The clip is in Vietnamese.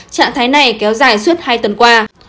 trạng thái này kéo dài suốt hai tuần qua